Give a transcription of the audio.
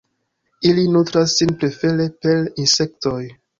Ili nutras sin prefere per insektoj.